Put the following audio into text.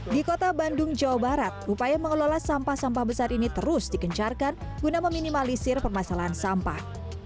di kota bandung jawa barat upaya mengelola sampah sampah besar ini terus dikencarkan guna meminimalisir permasalahan sampah